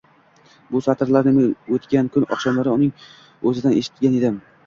Bu satrlarni men o’tgan kuz oqshomlari uning o’zidan eshitgan edim.